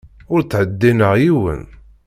Ur ttheddineɣ yiwen.